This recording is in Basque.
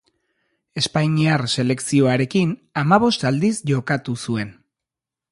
Espainiar selekzioarekin hamabost aldiz jokatu zuen.